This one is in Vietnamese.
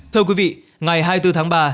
thưa quý vị ngày hai mươi bốn tháng ba